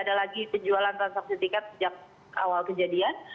ada lagi penjualan transaksi tiket sejak awal kejadian